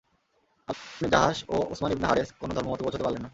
Abdullah ibn Jahsh ও Usman ibn Haris কোন ধর্মমতে পৌঁছতে পারলেন না।